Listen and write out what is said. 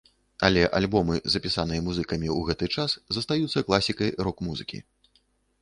Але альбомы, запісаныя музыкамі ў гэты час, застаюцца класікай рок-музыкі.